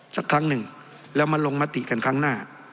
สักครั้งหนึ่งแล้วมาลงมติกันครั้งหน้า